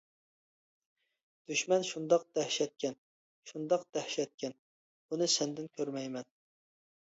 دۈشمەن شۇنداق دەھشەتكەن، شۇنداق دەھشەتكەن، بۇنى سەندىن كۆرمەيمەن!